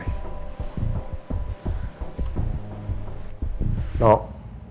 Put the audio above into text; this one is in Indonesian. tidak ada yang bisa digunakan